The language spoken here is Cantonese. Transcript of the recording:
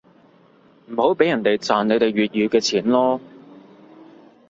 唔好畀人哋賺你哋粵語嘅錢囉